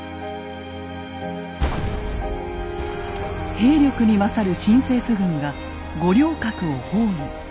兵力に勝る新政府軍が五稜郭を包囲。